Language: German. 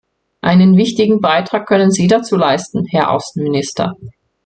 Einen wichtigen Beitrag können Sie dazu leisten, Herr Außenminister.